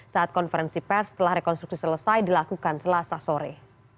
saat konferensi pers setelah rekonstruksi selesai dilakukan selasa sore